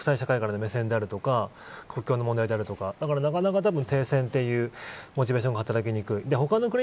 国際社会からの目線や国の問題とかなかなか停戦というモチベーションが働きにくい。